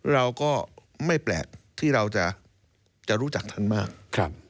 เราก็ไม่แปลกที่เราจะรู้จักท่านมาก